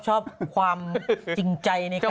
ชอบความจริงใจในการ